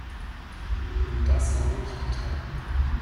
Und das habe ich getan.